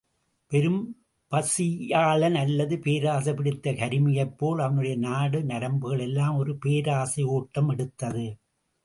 பெரும் பசியாளன் அல்லது பேராசை பிடித்த கருமியைப் போல் அவனுடைய நாடி நரம்புகளிலெல்லாம் ஒரு பேராசை யோட்டமெடுத்தது.